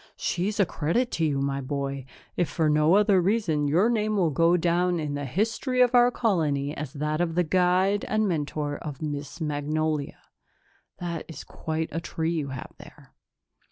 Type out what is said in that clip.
She's a credit to you, my boy. If for no other reason, your name will go down in the history of our colony as that of the guide and mentor of Miss Magnolia. That's quite a tree you have there."